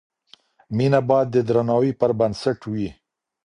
مینه باید د درناوي پر بنسټ وي.